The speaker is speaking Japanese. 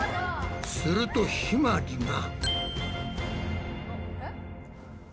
するとひまりが。